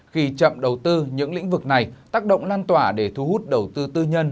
khi chậm đầu tư những lĩnh vực này tác động lan tỏa để thu hút đầu tư tư nhân